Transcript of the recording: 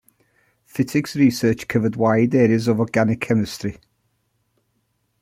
Fittig's research covered wide areas of organic chemistry.